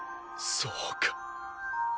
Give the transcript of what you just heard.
そうか。